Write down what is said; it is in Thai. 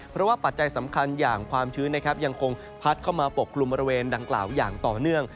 เพราะว่าปัจจัยสำคัญอย่างความชื้นนะครับยังคงพัดเข้ามาปกกลุ่มบริเวณดังกล่าวอย่างต่อเนื่อง